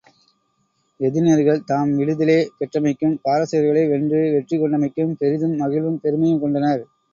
எதினியர்கள் தாம் விடுதலே பெற்றமைக்கும், பாரசீகர்களை வென்று வெற்றி கொண்டமைக்கும், பெரிதும் மகிழ்வும் பெருமையும் கொண்டனர்.